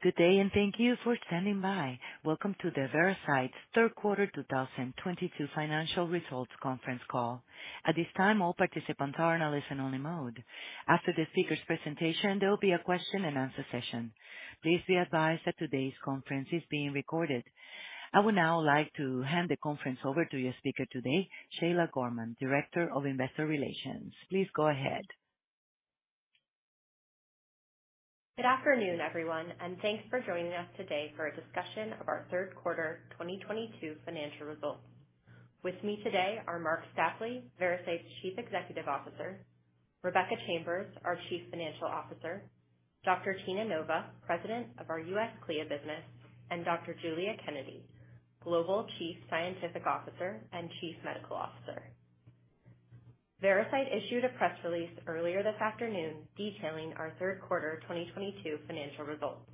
Good day, and thank you for standing by. Welcome to the Veracyte Third Quarter 2022 Financial Results Conference Call. At this time, all participants are in a listen-only mode. After the speakers' presentation, there will be a question-and-answer session. Please be advised that today's conference is being recorded. I would now like to hand the conference over to your speaker today, Shayla Gorman, Director of Investor Relations. Please go ahead. Good afternoon, everyone, and thanks for joining us today for a discussion of our third quarter 2022 financial results. With me today are Marc Stapley, Veracyte's Chief Executive Officer, Rebecca Chambers, our Chief Financial Officer, Dr. Tina Nova, President of our U.S. CLIA business, and Dr. Giulia Kennedy, Global Chief Scientific Officer and Chief Medical Officer. Veracyte issued a press release earlier this afternoon detailing our third quarter 2022 financial results.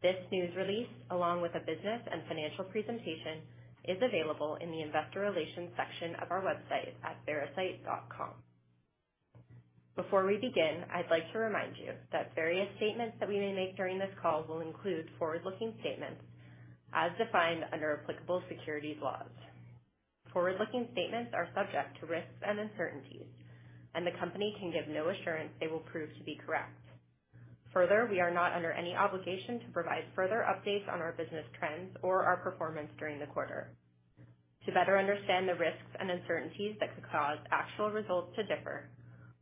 This news release, along with a business and financial presentation, is available in the investor relations section of our website at veracyte.com. Before we begin, I'd like to remind you that various statements that we may make during this call will include forward-looking statements as defined under applicable securities laws. Forward-looking statements are subject to risks and uncertainties, and the company can give no assurance they will prove to be correct. Further, we are not under any obligation to provide further updates on our business trends or our performance during the quarter. To better understand the risks and uncertainties that could cause actual results to differ,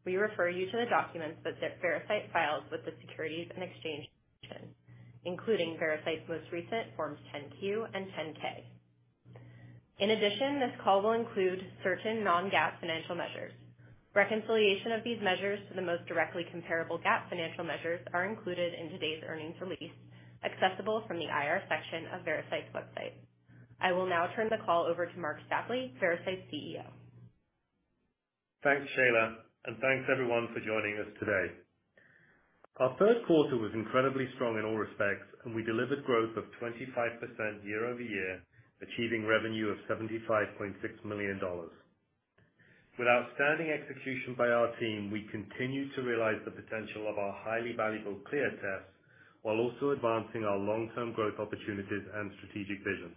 we refer you to the documents that Veracyte files with the Securities and Exchange Commission, including Veracyte's most recent Forms 10-Q and 10-K. In addition, this call will include certain non-GAAP financial measures. Reconciliation of these measures to the most directly comparable GAAP financial measures are included in today's earnings release, accessible from the IR section of Veracyte's website. I will now turn the call over to Marc Stapley, Veracyte's CEO. Thanks, Shayla, and thanks everyone for joining us today. Our third quarter was incredibly strong in all respects, and we delivered growth of 25% year-over-year, achieving revenue of $75.6 million. With outstanding execution by our team, we continue to realize the potential of our highly valuable CLIA tests while also advancing our long-term growth opportunities and strategic vision.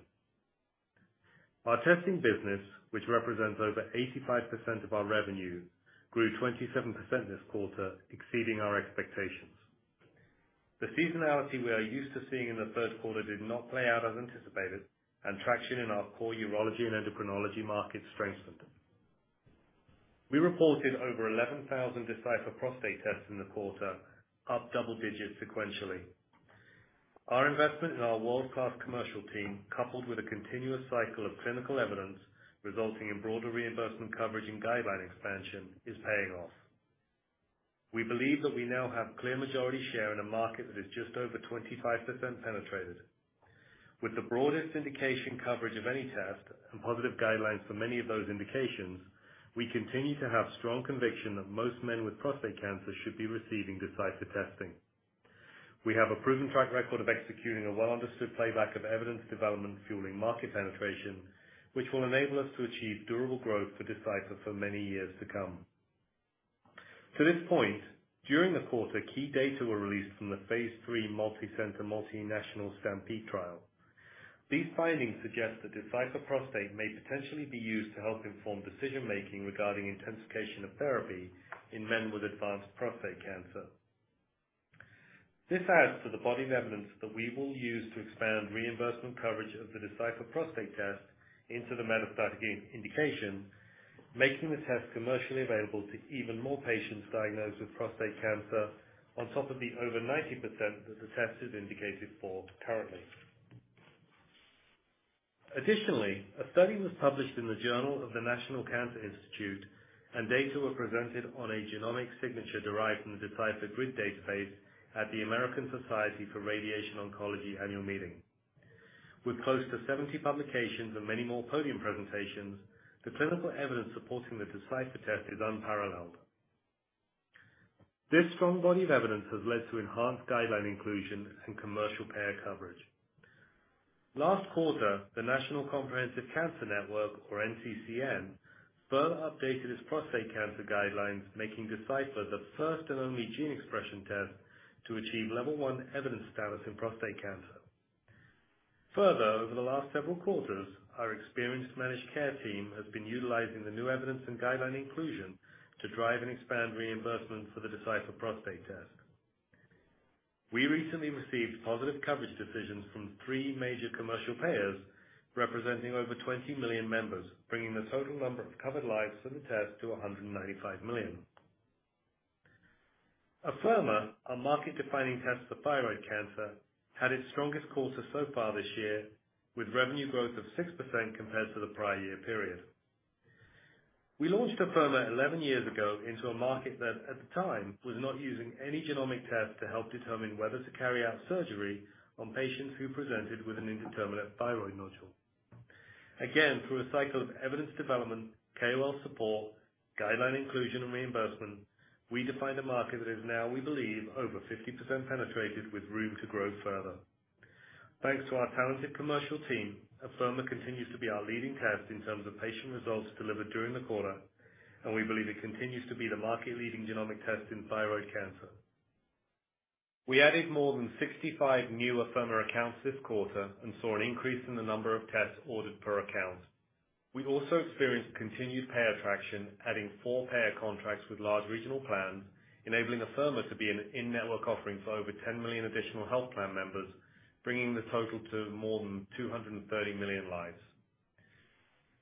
Our testing business, which represents over 85% of our revenue, grew 27% this quarter, exceeding our expectations. The seasonality we are used to seeing in the third quarter did not play out as anticipated, and traction in our core urology and endocrinology markets strengthened. We reported over 11,000 Decipher Prostate tests in the quarter, up double digits sequentially. Our investment in our world-class commercial team, coupled with a continuous cycle of clinical evidence resulting in broader reimbursement coverage and guideline expansion, is paying off. We believe that we now have clear majority share in a market that is just over 25% penetrated. With the broadest indication coverage of any test and positive guidelines for many of those indications, we continue to have strong conviction that most men with prostate cancer should be receiving Decipher testing. We have a proven track record of executing a well-understood playbook of evidence development fueling market penetration, which will enable us to achieve durable growth for Decipher for many years to come. To this point, during the quarter, key data were released from the phase III multi-center, multinational STAMPEDE trial. These findings suggest that Decipher Prostate may potentially be used to help inform decision-making regarding intensification of therapy in men with advanced prostate cancer. This adds to the body of evidence that we will use to expand reimbursement coverage of the Decipher Prostate test into the metastatic indication, making the test commercially available to even more patients diagnosed with prostate cancer on top of the over 90% that the test is indicated for currently. Additionally, a study was published in the Journal of the National Cancer Institute, and data were presented on a genomic signature derived from the Decipher GRID database at the American Society for Radiation Oncology annual meeting. With close to 70 publications and many more podium presentations, the clinical evidence supporting the Decipher test is unparalleled. This strong body of evidence has led to enhanced guideline inclusion and commercial payer coverage. Last quarter, the National Comprehensive Cancer Network, or NCCN, further updated its prostate cancer guidelines, making Decipher the first and only gene expression test to achieve level one evidence status in prostate cancer. Further, over the last several quarters, our experienced managed care team has been utilizing the new evidence and guideline inclusion to drive and expand reimbursement for the Decipher Prostate test. We recently received positive coverage decisions from three major commercial payers representing over 20 million members, bringing the total number of covered lives for the test to 195 million. Afirma, our market-defining test for thyroid cancer, had its strongest quarter so far this year, with revenue growth of 6% compared to the prior year period. We launched Afirma 11 years ago into a market that at the time was not using any genomic test to help determine whether to carry out surgery on patients who presented with an indeterminate thyroid nodule. Again, through a cycle of evidence development, KOL support, guideline inclusion and reimbursement, we defined a market that is now, we believe, over 50% penetrated with room to grow further. Thanks to our talented commercial team, Afirma continues to be our leading test in terms of patient results delivered during the quarter, and we believe it continues to be the market-leading genomic test in thyroid cancer. We added more than 65 new Afirma accounts this quarter and saw an increase in the number of tests ordered per account. We also experienced continued payer traction, adding 4 payer contracts with large regional plans, enabling Afirma to be an in-network offering for over 10 million additional health plan members, bringing the total to more than 230 million lives.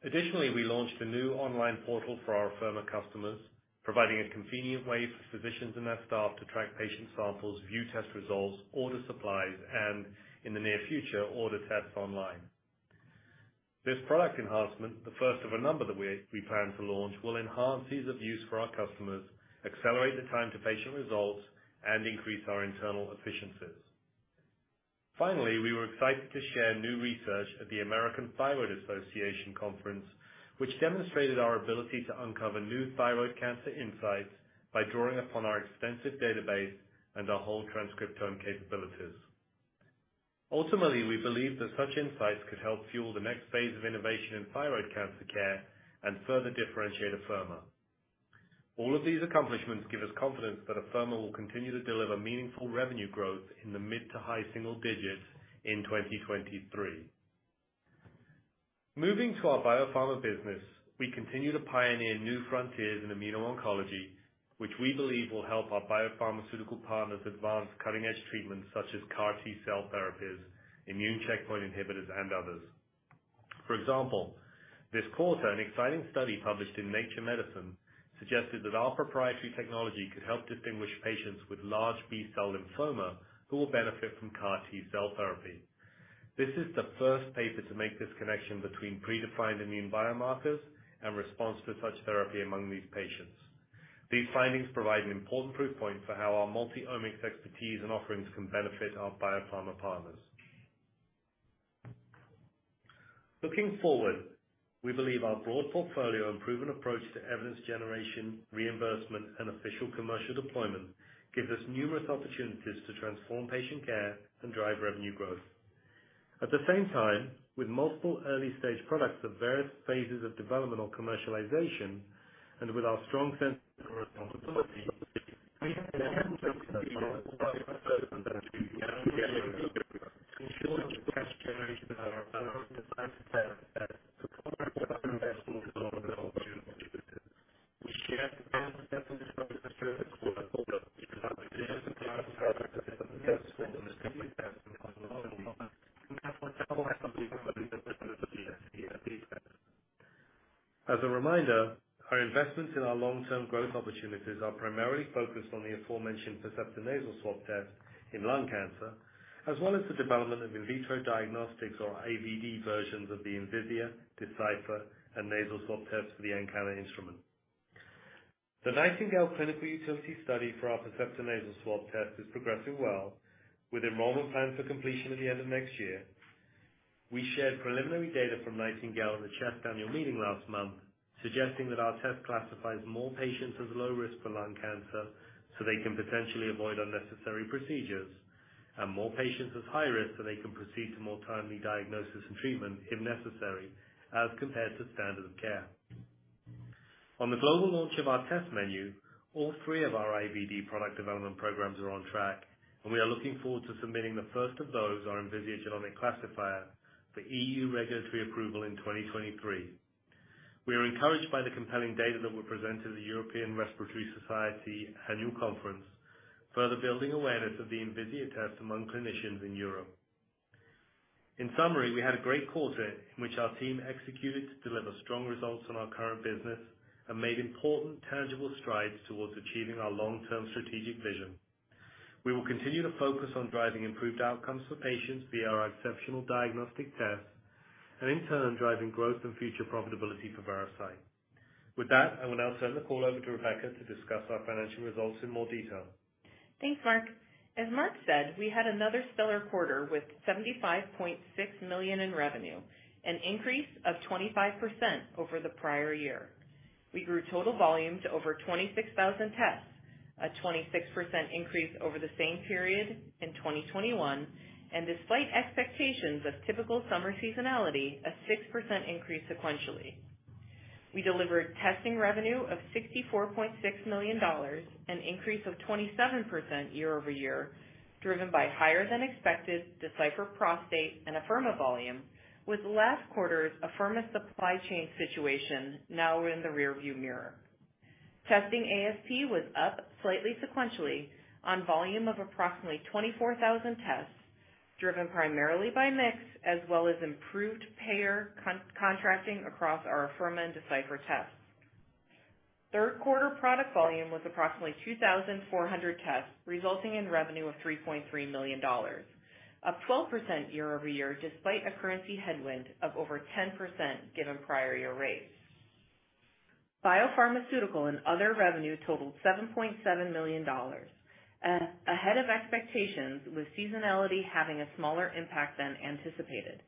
Additionally, we launched a new online portal for our Afirma customers, providing a convenient way for physicians and their staff to track patient samples, view test results, order supplies, and, in the near future, order tests online. This product enhancement, the first of a number that we plan to launch, will enhance ease of use for our customers, accelerate the time to patient results, and increase our internal efficiencies. Finally, we were excited to share new research at the American Thyroid Association Conference, which demonstrated our ability to uncover new thyroid cancer insights by drawing upon our extensive database and our whole transcriptome capabilities. Ultimately, we believe that such insights could help fuel the next phase of innovation in thyroid cancer care and further differentiate Afirma. All of these accomplishments give us confidence that Afirma will continue to deliver meaningful revenue growth in the mid- to high-single digits in 2023. Moving to our biopharma business, we continue to pioneer new frontiers in immuno-oncology, which we believe will help our biopharmaceutical partners advance cutting-edge treatments such as CAR T-cell therapies, immune checkpoint inhibitors, and others. For example, this quarter, an exciting study published in Nature Medicine suggested that our proprietary technology could help distinguish patients with large B-cell lymphoma who will benefit from CAR T-cell therapy. This is the first paper to make this connection between predefined immune biomarkers and response to such therapy among these patients. These findings provide an important proof point for how our multi-omics expertise and offerings can benefit our biopharma partners. Looking forward, we believe our broad portfolio and proven approach to evidence generation, reimbursement, and official commercial deployment gives us numerous opportunities to transform patient care and drive revenue growth. At the same time, with multiple early-stage products at various phases of development or commercialization, and with our strong sense for responsibility, we have the financial flexibility to invest further to achieve our long-term strategic vision to ensure that cash generation is at our balanced design plan and to progress our investments along with our opportunities. We shared preliminary data from Percepta Nasal Swab at the CHEST Annual Meeting last month, suggesting that our test classifies more patients as low risk for lung cancer, so they can potentially avoid unnecessary procedures, and more patients as high risk, so they can proceed to more timely diagnosis and treatment if necessary, as compared to standard of care. On the global launch of our test menu, all three of our IVD product development programs are on track, and we are looking forward to submitting the first of those, our Envisia genomic classifier, for EU regulatory approval in 2023. We are encouraged by the compelling data that were presented at the European Respiratory Society Annual Conference, further building awareness of the Envisia test among clinicians in Europe. In summary, we had a great quarter in which our team executed to deliver strong results on our current business and made important tangible strides towards achieving our long-term strategic vision. We will continue to focus on driving improved outcomes for patients via our exceptional diagnostic tests and in turn, driving growth and future profitability for Veracyte. With that, I will now turn the call over to Rebecca to discuss our financial results in more detail. Thanks, Marc. As Marc said, we had another stellar quarter with $75.6 million in revenue, an increase of 25% over the prior year. We grew total volume to over 26,000 tests, a 26% increase over the same period in 2021. Despite expectations of typical summer seasonality, a 6% increase sequentially. We delivered testing revenue of $64.6 million, an increase of 27% year-over-year, driven by higher than expected Decipher Prostate and Afirma volume, with last quarter's Afirma supply chain situation now in the rearview mirror. Testing ASP was up slightly sequentially on volume of approximately 24,000 tests, driven primarily by mix as well as improved payer contracting across our Afirma and Decipher tests. Third quarter product volume was approximately 2,400 tests, resulting in revenue of $3.3 million, a 12% year-over-year despite a currency headwind of over 10% given prior year rates. Biopharmaceutical and other revenue totaled $7.7 million, ahead of expectations, with seasonality having a smaller impact than anticipated.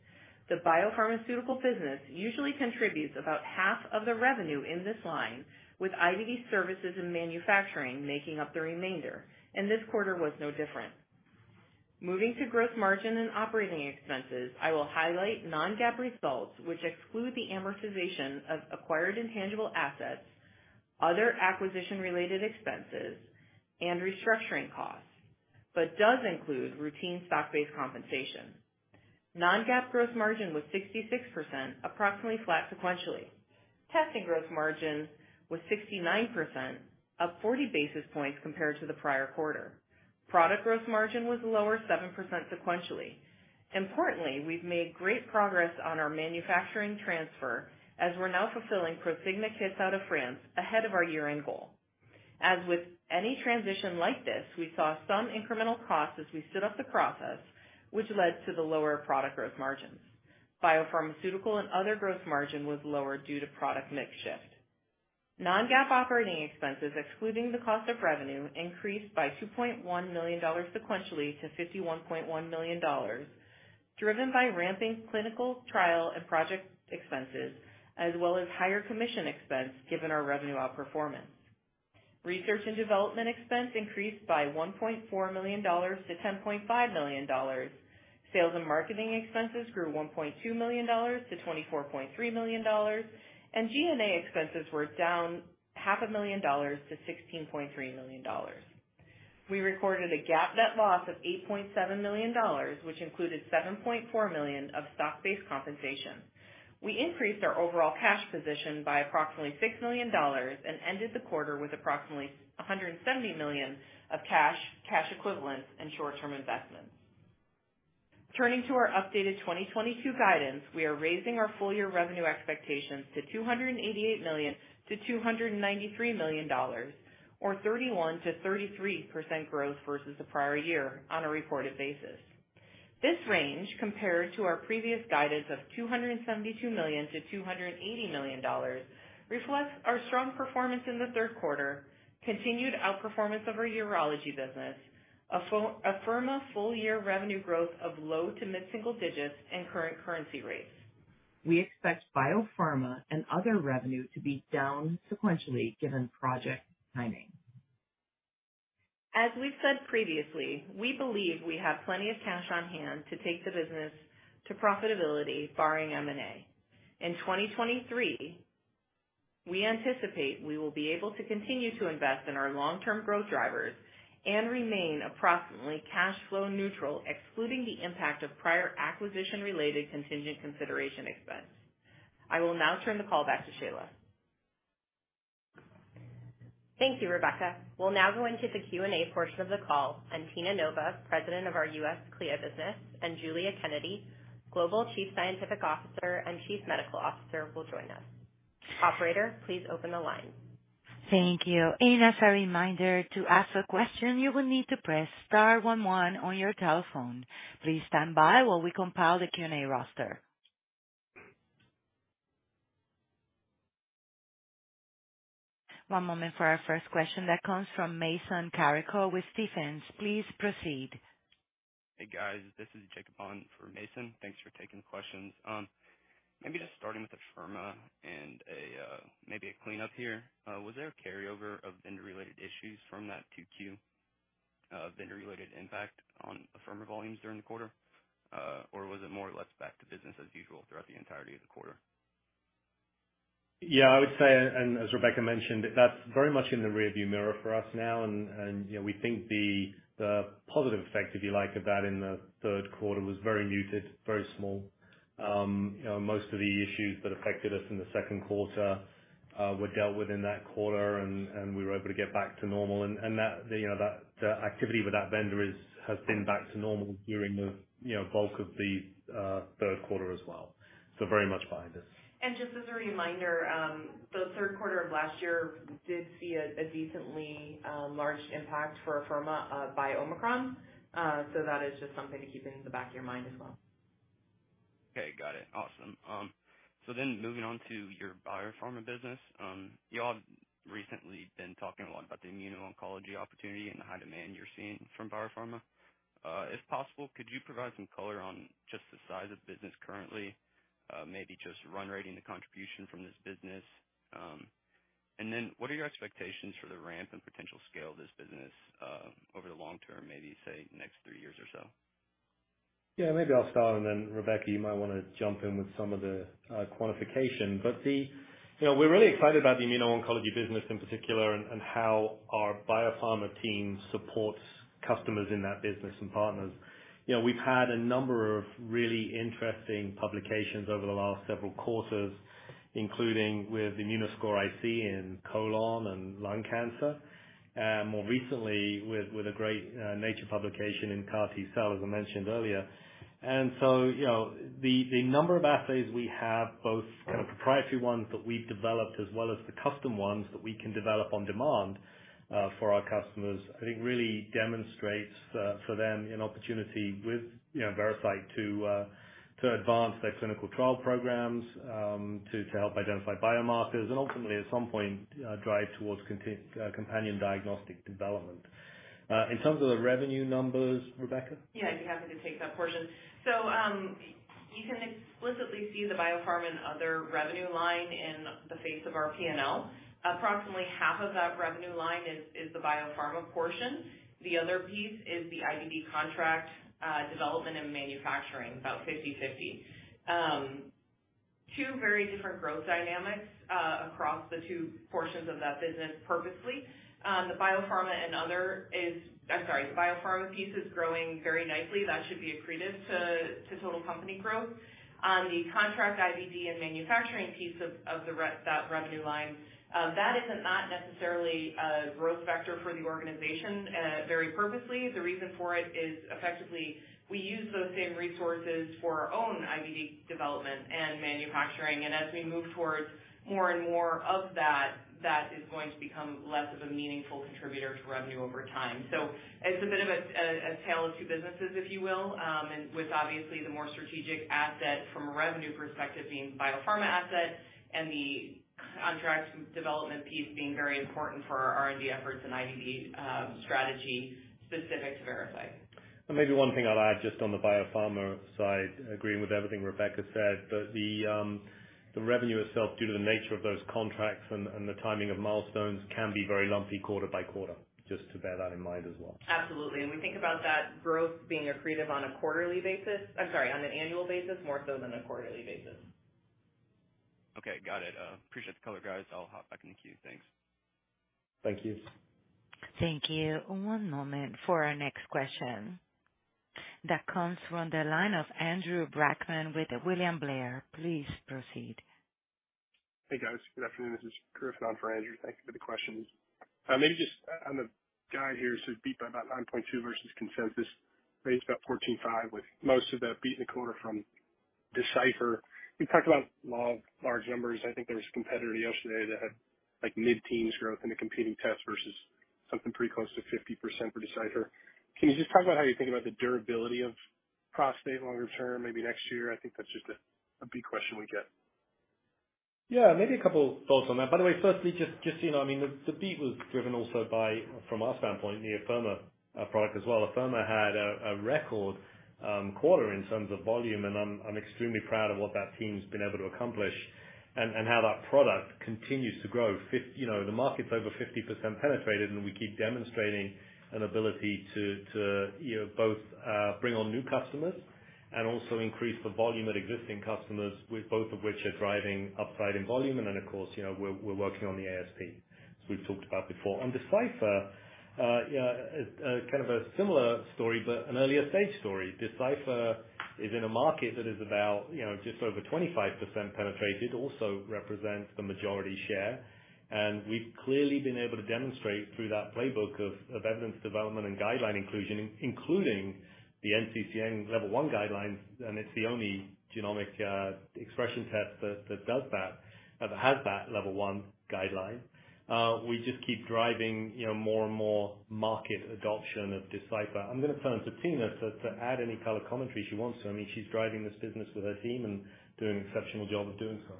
The biopharmaceutical business usually contributes about half of the revenue in this line, with IVD services and manufacturing making up the remainder, and this quarter was no different. Moving to gross margin and operating expenses, I will highlight non-GAAP results, which exclude the amortization of acquired intangible assets, other acquisition-related expenses and restructuring costs, but does include routine stock-based compensation. Non-GAAP gross margin was 66%, approximately flat sequentially. Testing gross margin was 69%, up 40 basis points compared to the prior quarter. Product gross margin was lower 7% sequentially. Importantly, we've made great progress on our manufacturing transfer as we're now fulfilling Prosigna kits out of France ahead of our year-end goal. As with any transition like this, we saw some incremental costs as we stood up the process, which led to the lower product gross margins. Biopharmaceutical and other gross margin was lower due to product mix shift. Non-GAAP operating expenses, excluding the cost of revenue, increased by $2.1 million sequentially to $51.1 million, driven by ramping clinical trial and project expenses as well as higher commission expense given our revenue outperformance. Research and development expense increased by $1.4 million to $10.5 million. Sales and marketing expenses grew $1.2 million to $24.3 million. G&A expenses were down half a million dollars to $16.3 million. We recorded a GAAP net loss of $8.7 million, which included $7.4 million of stock-based compensation. We increased our overall cash position by approximately $6 million and ended the quarter with approximately $170 million of cash equivalents, and short-term investments. Turning to our updated 2022 guidance, we are raising our full year revenue expectations to $288 million-$293 million, or 31%-33% growth versus the prior year on a reported basis. This range, compared to our previous guidance of $272 million-$280 million, reflects our strong performance in the third quarter, continued outperformance of our urology business, Afirma full-year revenue growth of low- to mid-single digits, and current currency rates. We expect biopharma and other revenue to be down sequentially, given project timing. As we've said previously, we believe we have plenty of cash on hand to take the business to profitability, barring M&A. In 2023, we anticipate we will be able to continue to invest in our long-term growth drivers and remain approximately cash flow neutral, excluding the impact of prior acquisition-related contingent consideration expense. I will now turn the call back to Shayla. Thank you, Rebecca. We'll now go into the Q&A portion of the call, and Tina Nova, President of our U.S. CLIA business, and Giulia Kennedy, Global Chief Scientific Officer and Chief Medical Officer, will join us. Operator, please open the line. Thank you. As a reminder, to ask a question, you will need to press star one one on your telephone. Please stand by while we compile the Q&A roster. One moment for our first question. That comes from Mason Carrico with Stephens. Please proceed. Hey, guys. This is Jacob on for Mason. Thanks for taking the questions. Maybe just starting with Afirma, maybe a cleanup here. Was there a carryover of vendor-related issues from that 2Q, vendor-related impact on Afirma volumes during the quarter? Or was it more or less back to business as usual throughout the entirety of the quarter? Yeah, I would say, as Rebecca mentioned, that's very much in the rearview mirror for us now. You know, we think the positive effect, if you like, of that in the third quarter was very muted, very small. You know, most of the issues that affected us in the second quarter were dealt with in that quarter and we were able to get back to normal. That, you know, the activity with that vendor has been back to normal during the, you know, bulk of the third quarter as well. Very much behind us. Just as a reminder, the third quarter of last year did see a decently large impact for Afirma by Omicron. That is just something to keep in the back of your mind as well. Okay, got it. Awesome. Moving on to your biopharma business. Y'all recently been talking a lot about the immuno-oncology opportunity and the high demand you're seeing from biopharma. If possible, could you provide some color on just the size of the business currently? Maybe just run rate the contribution from this business. What are your expectations for the ramp and potential scale of this business over the long term, maybe say next three years or so? Yeah, maybe I'll start, and then Rebecca, you might wanna jump in with some of the quantification. You know, we're really excited about the immuno-oncology business in particular and how our biopharma team supports customers in that business and partners. You know, we've had a number of really interesting publications over the last several quarters, including with Immunoscore IC in colon and lung cancer, more recently with a great Nature publication in CAR T-cell, as I mentioned earlier. You know, the number of assays we have, both kind of proprietary ones that we've developed as well as the custom ones that we can develop on demand, for our customers, I think really demonstrates, for them an opportunity with, you know, Veracyte to advance their clinical trial programs, to help identify biomarkers and ultimately at some point, drive towards companion diagnostic development. In terms of the revenue numbers, Rebecca? Yeah, I'd be happy to take that portion. You can explicitly see the biopharma and other revenue line in the face of our P&L. Approximately half of that revenue line is the biopharma portion. The other piece is the IVD contract development and manufacturing, about 50/50. Two very different growth dynamics across the two portions of that business purposely. The biopharma piece is growing very nicely. That should be accretive to total company growth. On the contract IVD and manufacturing piece of that revenue line, that is not necessarily a growth vector for the organization, very purposely. The reason for it is effectively we use those same resources for our own IVD development and manufacturing. As we move towards more and more of that is going to become less of a meaningful contributor to revenue over time. It's a bit of a tale of two businesses, if you will, and with obviously the more strategic asset from a revenue perspective being biopharma asset and the contracts development piece being very important for our R&D efforts and IVD strategy specific to Verify. Maybe one thing I'll add just on the biopharma side, agreeing with everything Rebecca said, but the revenue itself, due to the nature of those contracts and the timing of milestones can be very lumpy quarter by quarter. Just to bear that in mind as well. Absolutely. We think about that growth being accretive on a quarterly basis. I'm sorry, on an annual basis more so than a quarterly basis. Okay, got it. Appreciate the color, guys. I'll hop back in the queue. Thanks. Thank you. Thank you. One moment for our next question. That comes from the line of Andrew Brackmann with William Blair. Please proceed. Hey, guys. Good afternoon. This is Griffin on for Andrew. Thank you for the questions. Maybe just on the guide here, so beat by about 9.2 versus consensus, raised about 14.5, with most of the beat in the quarter from Decipher. You talked about large numbers. I think there was a competitor yesterday that had, like, mid-teens growth in a competing test versus something pretty close to 50% for Decipher. Can you just talk about how you think about the durability of prostate longer term, maybe next year? I think that's just a big question we get. Yeah, maybe a couple thoughts on that. By the way, firstly, just so you know, I mean, the beat was driven also by, from our standpoint, the Afirma product as well. Afirma had a record quarter in terms of volume, and I'm extremely proud of what that team's been able to accomplish and how that product continues to grow. You know, the market's over 50% penetrated, and we keep demonstrating an ability to you know both bring on new customers and also increase the volume at existing customers, with both of which are driving upside in volume. Then, of course, you know, we're working on the ASP, as we've talked about before. On Decipher, yeah, kind of a similar story, but an earlier stage story. Decipher is in a market that is about, you know, just over 25% penetrated, also represents the majority share. We've clearly been able to demonstrate through that playbook of evidence development and guideline inclusion, including the NCCN level one guidelines, and it's the only genomic expression test that does that has that level one guideline. We just keep driving, you know, more and more market adoption of Decipher. I'm gonna turn to Tina to add any color commentary she wants to. I mean, she's driving this business with her team and doing an exceptional job of doing so.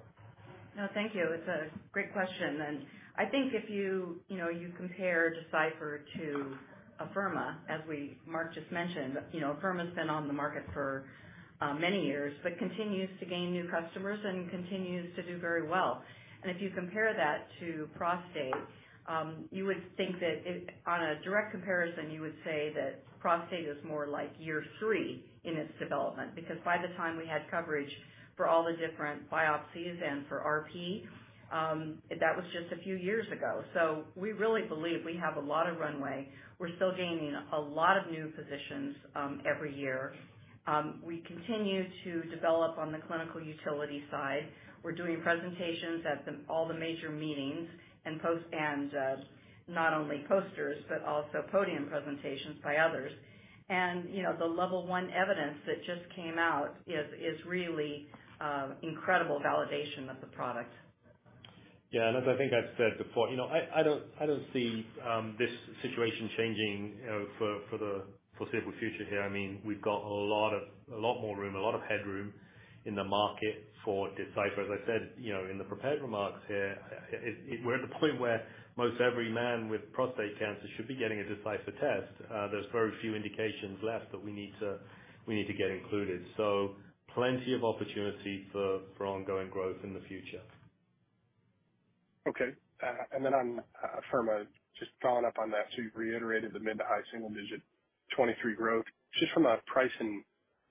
No, thank you. It's a great question. I think if you know, you compare Decipher to Afirma, as Marc just mentioned, you know, Afirma's been on the market for many years but continues to gain new customers and continues to do very well. If you compare that to prostate, you would think that. On a direct comparison, you would say that prostate is more like year three in its development, because by the time we had coverage for all the different biopsies and for RP, that was just a few years ago. We really believe we have a lot of runway. We're still gaining a lot of new physicians every year. We continue to develop on the clinical utility side. We're doing presentations at all the major meetings and not only posters, but also podium presentations by others. You know, the level one evidence that just came out is really incredible validation of the product. Yeah, as I think I've said before, you know, I don't see this situation changing, you know, for the foreseeable future here. I mean, we've got a lot of, a lot more room, a lot of headroom in the market for Decipher. As I said, you know, in the prepared remarks here, we're at the point where most every man with prostate cancer should be getting a Decipher test. There's very few indications left that we need to get included. So plenty of opportunity for ongoing growth in the future. Okay. On Afirma, just following up on that, so you've reiterated the mid- to high-single-digit 2023 growth. Just from a price and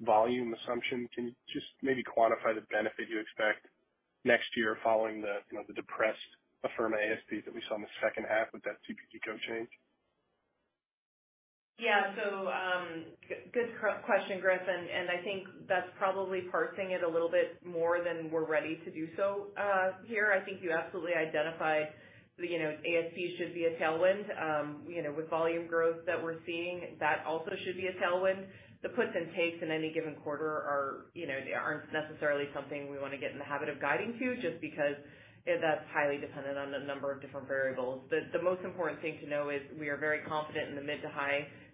volume assumption, can you just maybe quantify the benefit you expect next year following the, you know, the depressed Afirma ASP that we saw in the second half with that CPT code change? Good question, Griffin. I think that's probably parsing it a little bit more than we're ready to do so here. I think you absolutely identified the, you know, ASP should be a tailwind. You know, with volume growth that we're seeing, that also should be a tailwind. The puts and takes in any given quarter are, you know, they aren't necessarily something we wanna get in the habit of guiding to, just because, you know, that's highly dependent on a number of different variables. The most important thing to know is we are very confident in the mid- to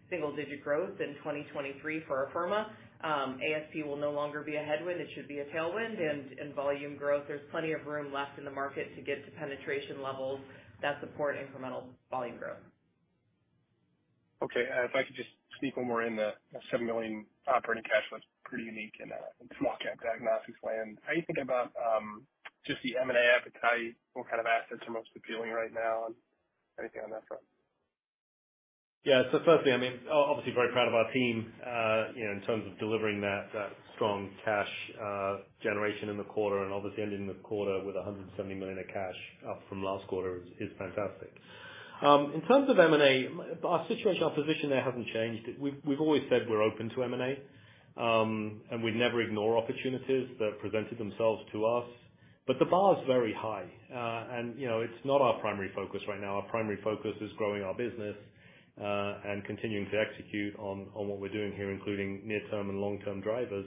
high-single-digit growth in 2023 for Afirma. ASP will no longer be a headwind. It should be a tailwind. In volume growth, there's plenty of room left in the market to get to penetration levels that support incremental volume growth. Okay. If I could just sneak one more in the $7 million operating cash flow. It's pretty unique in a small cap diagnostics land. How you think about just the M&A appetite, what kind of assets are most appealing right now, and anything on that front? Yeah. Firstly, I mean, obviously very proud of our team, you know, in terms of delivering that strong cash generation in the quarter, and obviously ending the quarter with $170 million of cash up from last quarter is fantastic. In terms of M&A, our situation, our position there hasn't changed. We've always said we're open to M&A, and we'd never ignore opportunities that presented themselves to us. The bar is very high. You know, it's not our primary focus right now. Our primary focus is growing our business, and continuing to execute on what we're doing here, including near-term and long-term drivers.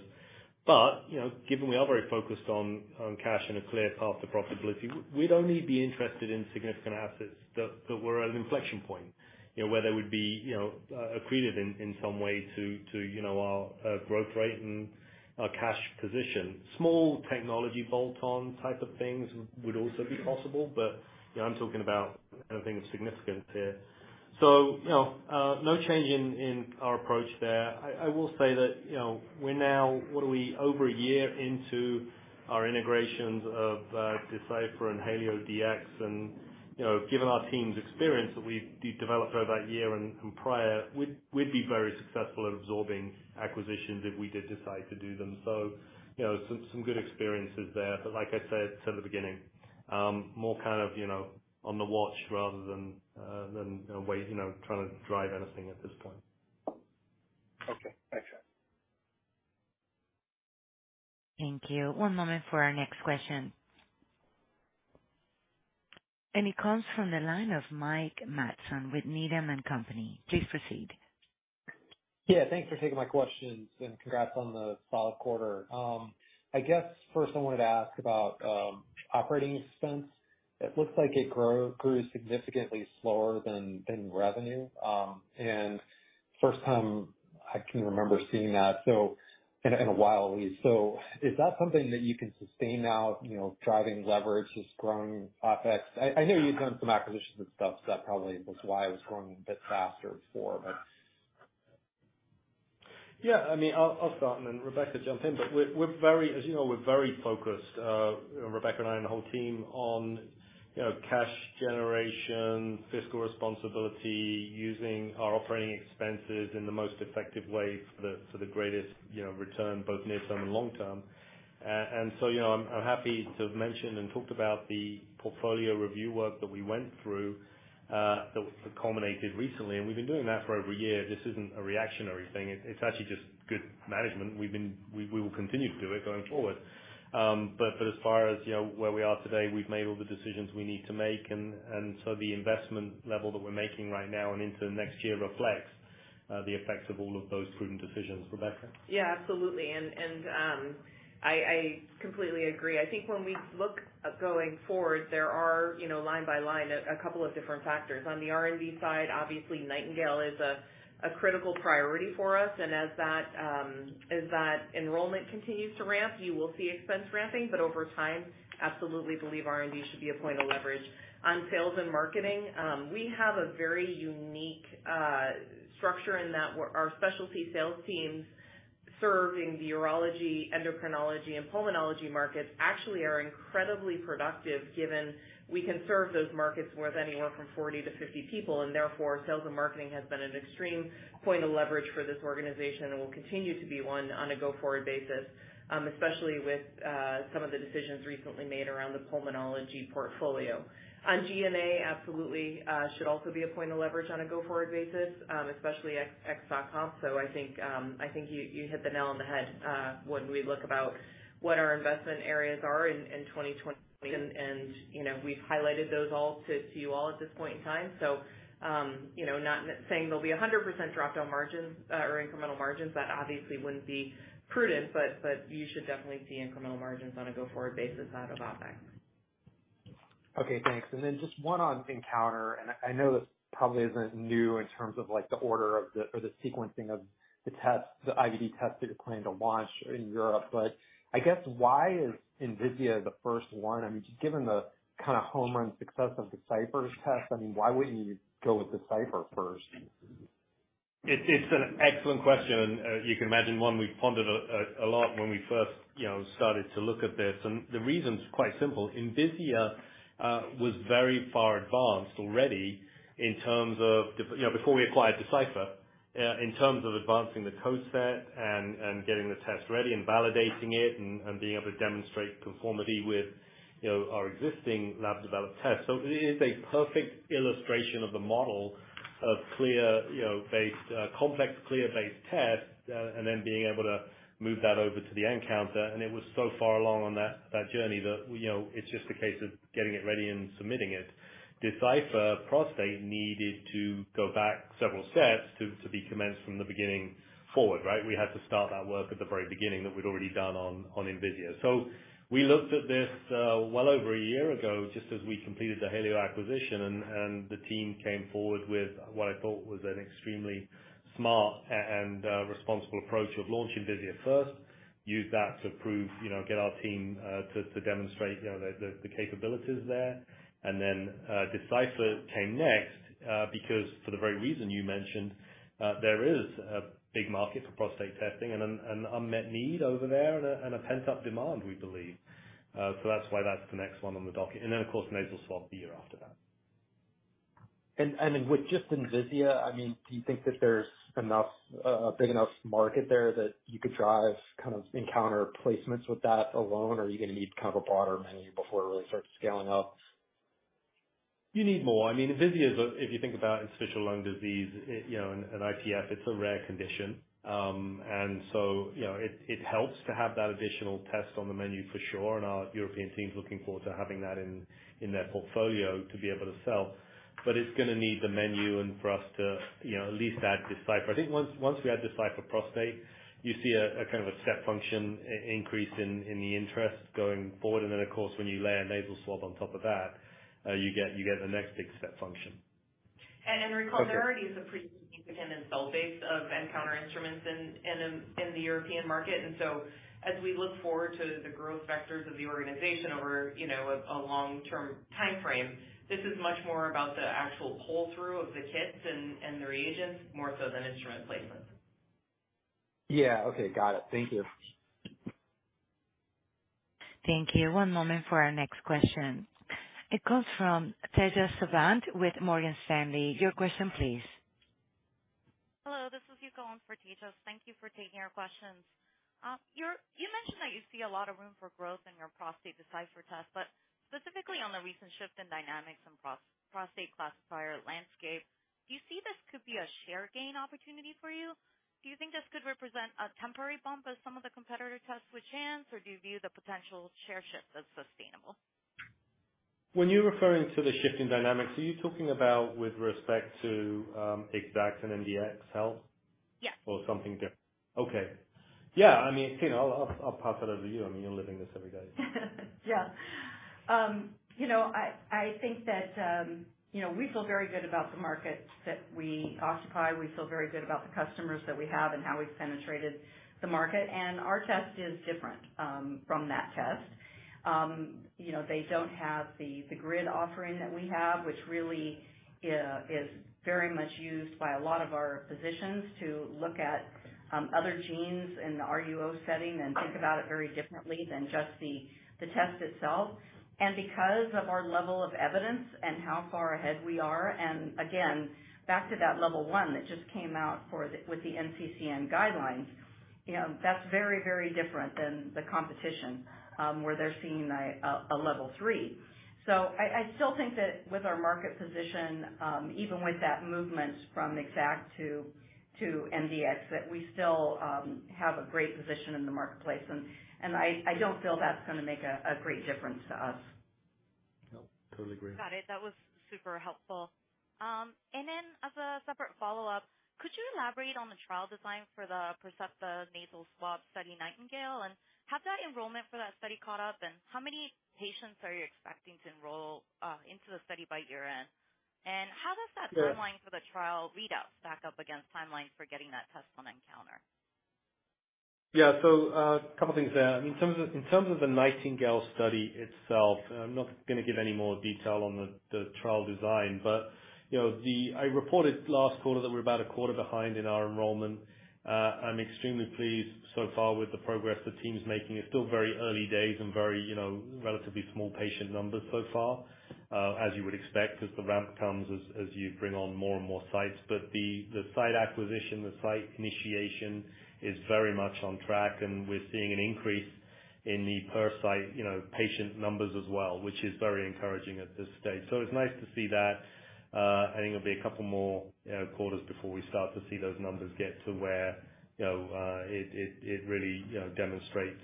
You know, given we are very focused on cash and a clear path to profitability, we'd only be interested in significant assets that were at an inflection point. You know, where they would be, you know, accretive in some way to you know, our growth rate and our cash position. Small technology bolt-on type of things would also be possible, but, you know, I'm talking about having significant here. You know, no change in our approach there. I will say that, you know, we're now. What are we? Over a year into our integrations of Decipher and HalioDx and, you know, given our team's experience that we've developed over that year and prior, we'd be very successful at absorbing acquisitions if we did decide to do them. You know, some good experiences there. Like I said at the beginning, more kind of, you know, on the watch rather than you know, trying to drive anything at this point. Okay. Thanks, Thank you. One moment for our next question. It comes from the line of Mike Matson with Needham & Company. Please proceed. Yeah, thanks for taking my questions, and congrats on the solid quarter. I guess first I wanted to ask about operating expense. It looks like it grew significantly slower than revenue. First time I can remember seeing that, so in a while at least. Is that something that you can sustain now, you know, driving leverage just growing OpEx? I know you've done some acquisitions and stuff, so that probably was why it was growing a bit faster before, but. I mean, I'll start and then Rebecca jump in. We're very focused, Rebecca and I and the whole team on, you know, cash generation, fiscal responsibility, using our operating expenses in the most effective way for the greatest, you know, return, both near-term and long-term. You know, I'm happy to mention and talked about the portfolio review work that we went through, that culminated recently. We've been doing that for over a year. This isn't a reactionary thing. It's actually just good management. We will continue to do it going forward. As far as, you know, where we are today, we've made all the decisions we need to make and so the investment level that we're making right now and into next year reflects the effects of all of those prudent decisions. Rebecca. Yeah, absolutely. I completely agree. I think when we look at going forward, there are, you know, line by line a couple of different factors. On the R&D side, obviously Nightingale is a critical priority for us, and as that enrollment continues to ramp, you will see expense ramping. Over time, absolutely believe R&D should be a point of leverage. On sales and marketing, we have a very unique structure in that our specialty sales teams serving the urology, endocrinology and pulmonology markets actually are incredibly productive given we can serve those markets with anywhere from 40 to 50 people, and therefore, sales and marketing has been an extreme point of leverage for this organization and will continue to be one on a go-forward basis. Especially with some of the decisions recently made around the pulmonology portfolio. On G&A, absolutely, should also be a point of leverage on a go-forward basis, especially ex-COVID. I think you hit the nail on the head when we look about what our investment areas are in 2020. You know, we've highlighted those all to you all at this point in time. You know, not saying there'll be a 100% drop down margins or incremental margins. That obviously wouldn't be prudent, but you should definitely see incremental margins on a go-forward basis out of OpEx. Okay, thanks. Just one on nCounter, and I know this probably isn't new in terms of like the order of the, or the sequencing of the tests, the IVD tests that you're planning to launch in Europe, but I guess why is Envisia the first one? I mean, given the kind of home run success of Decipher's test, I mean, why wouldn't you go with Decipher first? It's an excellent question. You can imagine one we pondered a lot when we first, you know, started to look at this. The reason's quite simple. Envisia was very far advanced already in terms of. You know, before we acquired Decipher, in terms of advancing the code set and getting the test ready and validating it and being able to demonstrate conformity with, you know, our existing lab developed tests. It is a perfect illustration of the model of CLIA, you know, based, complex CLIA-based test, and then being able to move that over to the nCounter. It was so far along on that journey that, you know, it's just a case of getting it ready and submitting it. Decipher Prostate needed to go back several steps to be commenced from the beginning forward, right? We had to start that work at the very beginning that we'd already done on Envisia. We looked at this well over a year ago, just as we completed the HalioDx acquisition, and the team came forward with what I thought was an extremely smart and responsible approach of launching Envisia first. Use that to prove, you know, get our team to demonstrate, you know, the capabilities there. Decipher came next because for the very reason you mentioned, there is a big market for prostate testing and an unmet need over there and a pent-up demand, we believe. That's why that's the next one on the docket. Of course, nasal swab the year after that. With just Envisia, I mean, do you think that there's enough big enough market there that you could drive kind of nCounter replacements with that alone? Or are you gonna need kind of a broader menu before it really starts scaling up? You need more. I mean, Envisia is a. If you think about interstitial lung disease, it, you know, and IPF, it's a rare condition. You know, it helps to have that additional test on the menu for sure. Our European team's looking forward to having that in their portfolio to be able to sell. It's gonna need the menu and for us to, you know, at least add Decipher. I think once we add Decipher Prostate, you see a kind of a step function increase in the interest going forward. Then, of course, when you layer nasal swab on top of that, you get the next big step function. Recall. Okay. There already is a pretty significant install base of nCounter instruments in the European market. As we look forward to the growth vectors of the organization over, you know, a long-term timeframe, this is much more about the actual pull-through of the kits and the reagents, more so than instrument placements. Yeah. Okay. Got it. Thank you. Thank you. One moment for our next question. It comes from Tejas Savant with Morgan Stanley. Your question please. Hello, this is Hugo on for Tejas. Thank you for taking our questions. You mentioned that you see a lot of room for growth in your Decipher Prostate test, but specifically on the recent shift in dynamics and prostate classifier landscape, do you see this could be a share gain opportunity for you? Do you think this could represent a temporary bump as some of the competitor tests switch hands, or do you view the potential share shift as sustainable? When you're referring to the shift in dynamics, are you talking about with respect to, Exact and MDxHealth? Yes. Something different? Okay. Yeah. I mean, Tina, I'll pass it over to you. I mean, you're living this every day. Yeah. You know, I think that you know, we feel very good about the market that we occupy. We feel very good about the customers that we have and how we've penetrated the market. Our test is different from that test. You know, they don't have the grid offering that we have, which really is very much used by a lot of our physicians to look at other genes in the RUO setting and think about it very differently than just the test itself. Because of our level of evidence and how far ahead we are, and again, back to that level one that just came out with the NCCN guidelines, you know, that's very very different than the competition where they're seeing a level three. I still think that with our market position, even with that movement from Exact to MDx, that we still have a great position in the marketplace. I don't feel that's gonna make a great difference to us. No, totally agree. Got it. That was super helpful. As a separate follow-up, could you elaborate on the trial design for the Percepta Nasal Swab study, Nightingale? Has that enrollment for that study caught up? How many patients are you expecting to enroll into the study by year-end? How does that timeline? For the trial read out stack up against timelines for getting that test on nCounter? Yeah. Couple things there. I mean, in terms of the Nightingale study itself, I'm not gonna give any more detail on the trial design. You know, I reported last quarter that we're about a quarter behind in our enrollment. I'm extremely pleased so far with the progress the team's making. It's still very early days and very, you know, relatively small patient numbers so far, as you would expect as the ramp comes, as you bring on more and more sites. The site acquisition, the site initiation is very much on track, and we're seeing an increase in the per site, you know, patient numbers as well, which is very encouraging at this stage. It's nice to see that. I think it'll be a couple more, you know, quarters before we start to see those numbers get to where, you know, it really, you know, demonstrates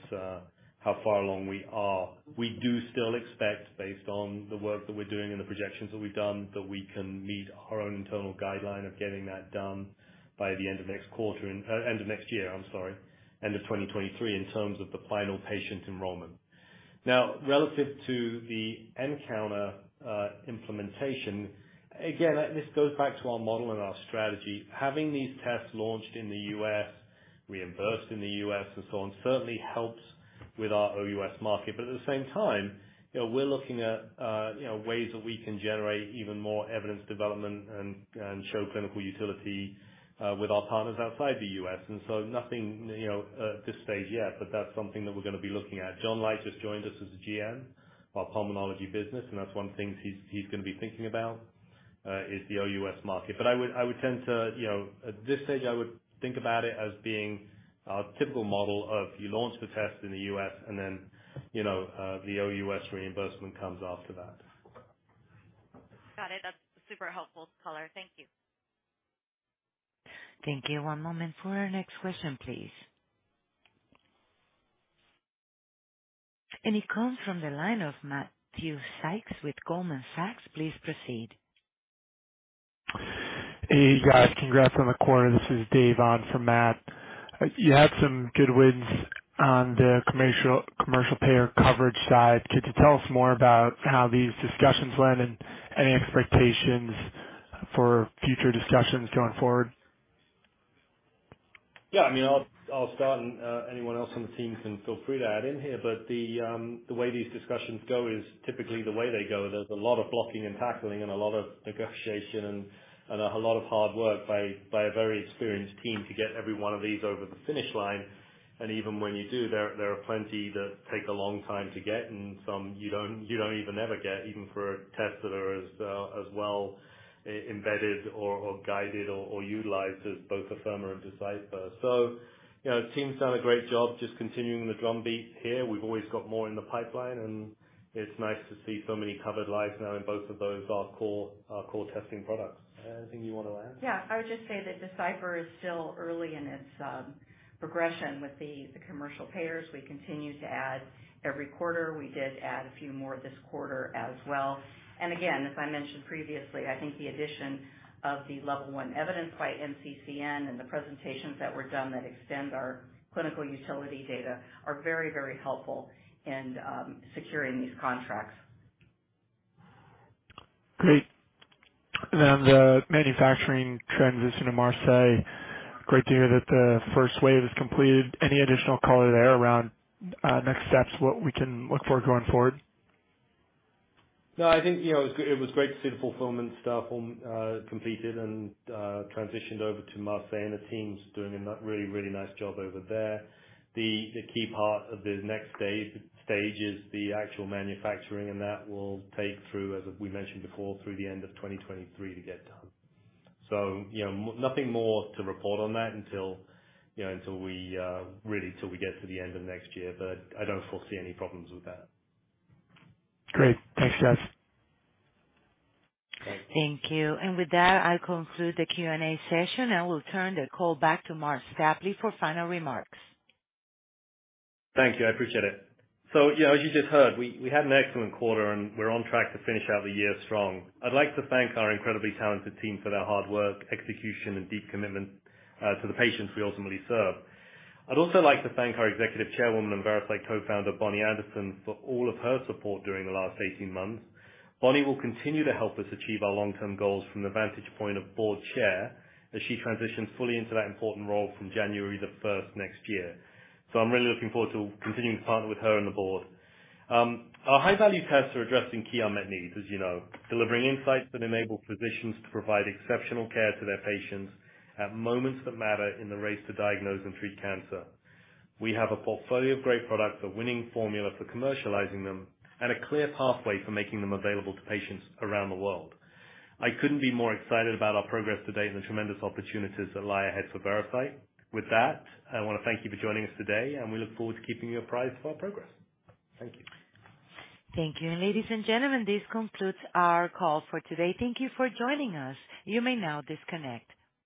how far along we are. We do still expect, based on the work that we're doing and the projections that we've done, that we can meet our own internal guideline of getting that done by the end of next year, I'm sorry, end of 2023, in terms of the final patient enrollment. Now, relative to the nCounter implementation, again, this goes back to our model and our strategy. Having these tests launched in the U.S., reimbursed in the U.S. and so on, certainly helps with our OUS market. At the same time, you know, we're looking at, you know, ways that we can generate even more evidence development and show clinical utility with our partners outside the U.S. Nothing, you know, at this stage yet, but that's something that we're gonna be looking at. John Leite just joined us as a GM, our pulmonology business, and that's one of the things he's gonna be thinking about is the OUS market. I would tend to you know, at this stage, I would think about it as being our typical model of you launch the test in the U.S. and then, you know, the OUS reimbursement comes after that. Got it. That's super helpful color. Thank you. Thank you. One moment for our next question, please. It comes from the line of Matthew Sykes with Goldman Sachs. Please proceed. Hey, guys. Congrats on the quarter. This is Dave on for Matt. You had some good wins on the commercial payer coverage side. Could you tell us more about how these discussions went and any expectations for future discussions going forward? Yeah, I mean, I'll start and anyone else on the team can feel free to add in here, but the way these discussions go is typically the way they go. There's a lot of blocking and tackling and a lot of negotiation and a lot of hard work by a very experienced team to get every one of these over the finish line. Even when you do, there are plenty that take a long time to get, and some you don't even ever get, even for tests that are as well embedded or guided or utilized as both Afirma and Decipher. You know, the team's done a great job just continuing the drumbeat here. We've always got more in the pipeline, and it's nice to see so many covered lives now in both of those core, our core testing products. Anything you wanna add? Yeah. I would just say that Decipher is still early in its progression with the commercial payers. We continue to add every quarter. We did add a few more this quarter as well. Again, as I mentioned previously, I think the addition of the level one evidence by NCCN and the presentations that were done that extend our clinical utility data are very, very helpful in securing these contracts. Great. Then the manufacturing transition to Marseille, great to hear that the first wave is completed. Any additional color there around next steps, what we can look for going forward? No, I think, you know, it was great to see the fulfillment staff completed and transitioned over to Marseille, and the team's doing a really nice job over there. The key part of the next stage is the actual manufacturing, and that will take through, as we mentioned before, through the end of 2023 to get done. You know, nothing more to report on that until, you know, until we really till we get to the end of next year. I don't foresee any problems with that. Great. Thanks, Marc Stapley. Thank you. With that, I'll conclude the Q&A session. I will turn the call back to Marc Stapley for final remarks. Thank you. I appreciate it. Yeah, as you just heard, we had an excellent quarter, and we're on track to finish out the year strong. I'd like to thank our incredibly talented team for their hard work, execution and deep commitment to the patients we ultimately serve. I'd also like to thank our executive chairwoman and Veracyte co-founder, Bonnie Anderson, for all of her support during the last 18 months. Bonnie will continue to help us achieve our long-term goals from the vantage point of board chair as she transitions fully into that important role from January the first next year. I'm really looking forward to continuing to partner with her and the board. Our high value tests are addressing key unmet needs, as you know, delivering insights that enable physicians to provide exceptional care to their patients at moments that matter in the race to diagnose and treat cancer. We have a portfolio of great products, a winning formula for commercializing them, and a clear pathway for making them available to patients around the world. I couldn't be more excited about our progress today and the tremendous opportunities that lie ahead for Veracyte. With that, I wanna thank you for joining us today, and we look forward to keeping you apprised of our progress. Thank you. Thank you. Ladies and gentlemen, this concludes our call for today. Thank you for joining us. You may now disconnect.